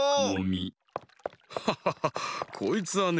ハハハハこいつはね